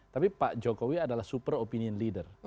tapi pak jokowi adalah super opinion leader